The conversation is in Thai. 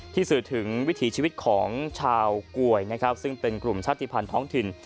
สื่อถึงวิถีชีวิตของชาวกวยนะครับซึ่งเป็นกลุ่มชาติภัณฑ์ท้องถิ่น